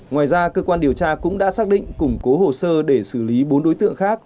ngoài ra cơ quan điều tra cũng đã xác định củng cố hồ sơ để xử lý bốn đối tượng khác